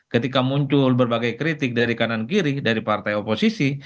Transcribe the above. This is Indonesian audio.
ketika muncul berbagai kritik dari kanan kiri dari partai oposisi